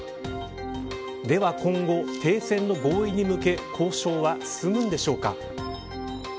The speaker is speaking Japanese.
では、今後停戦の合意に向け交渉は進むのでしょうか。